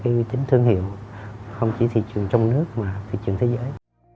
cũng như là tạo ra uy tín thương hiệu không chỉ thị trường trong nước mà thị trường thế giới